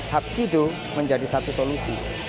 hapkido menjadi satu solusi